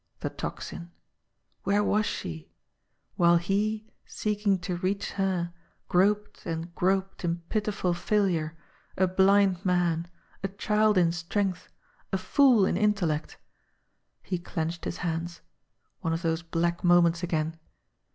The Tocsin! Where was she while he, seeking to reach her, groped and groped in pitiful failure, a blind man, a child in strength, a fool in intellect ! He clenched his hands. One of those black moments again!